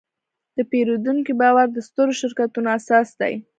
د پیرودونکي باور د سترو شرکتونو اساس دی.